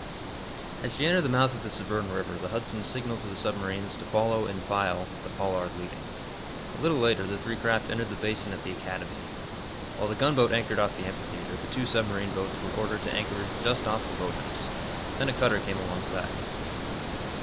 As she entered the mouth of the Severn River the "Hudson" signaled to the submarines to follow, in file, the "Pollard" leading. A little later the three craft entered the Basin at the Academy. While the gunboat anchored off the Amphitheatre, the two submarine boats were ordered to anchorage just off the Boat House. Then a cutter came alongside.